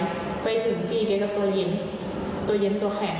ปลุกไปถึงปีเก็บกับตัวเย็นตัวเย็นตัวแข็ง